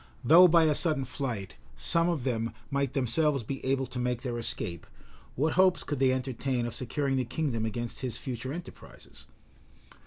Though, by a sudden flight, some of them might themselves be, able to make their escape, what hopes could they entertain of securing the kingdom against his future enterprises?